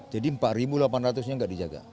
jadi empat delapan ratus nya nggak dijaga